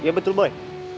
iya betul boy